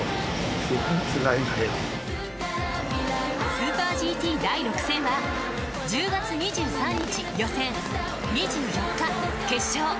スーパーＧＴ第６戦は１０月２３日予選２４日決勝。